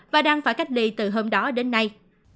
và đang phải cách ly từ hôm đó đến nay